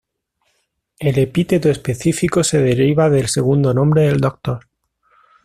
El epíteto específico se deriva del segundo nombre del Dr.